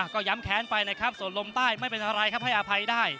ก็ย้ำแค้นไปนะครับส่วนลมใต้ไม่เป็นอะไรครับให้อภัยได้